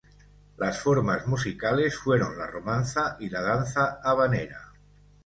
Las formas musicales fueron la romanza y la danza habanera.